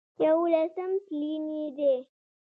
يوولسم تلين يې دی